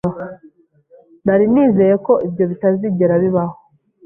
Nari nizeye ko ibyo bitazigera bibaho.